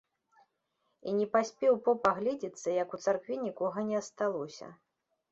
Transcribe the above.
І не паспеў поп агледзецца, як у царкве нікога не асталося.